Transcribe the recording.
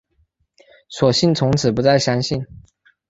索性从此不再相信